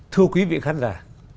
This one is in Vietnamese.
thưa quý vị khán giả